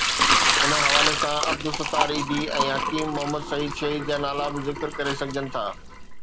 ان حوالي سان عبدالستار ايڌي ۽ حڪيم محمد سعيد شهيد جا نالا به ذڪر ڪري سگهجن ٿا.